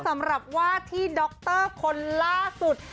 สำหรับวาที่ด๊อคเตอร์คนล่าสุด